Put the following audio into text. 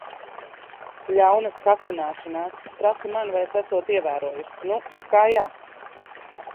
Ļaunas kacināšanās. Prasa man, vai es esot ievērojusi. Nu, it kā jā.